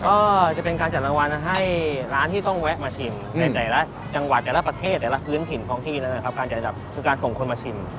ก็จะเป็นการจัดรางวัลให้ร้านที่ต้องแวะมาชิมในแต่ละจังหวัดแต่ละประเทศแต่ละพื้นถิ่นของที่นั้นนะครับการจัดอันดับคือการส่งคนมาชิม